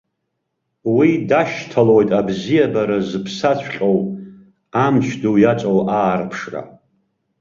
Уи дашьҭалоит абзиабара зыԥсаҵәҟьоу, амч ду иаҵоу аарԥшра.